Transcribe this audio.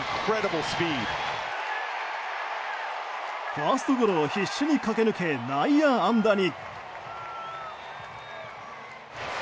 ファーストゴロを必死に駆け抜け内野安打に。